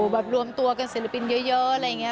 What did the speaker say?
รวมตัวกันศิลปินเยอะอะไรอย่างนี้